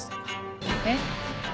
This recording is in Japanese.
えっ？